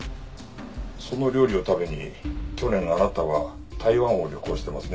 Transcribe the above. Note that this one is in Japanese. その料理を食べに去年あなたは台湾を旅行してますね。